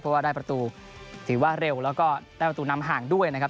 เพราะว่าได้ประตูถือว่าเร็วแล้วก็ได้ประตูนำห่างด้วยนะครับ